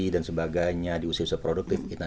dan sebagainya di usia usia produktifnya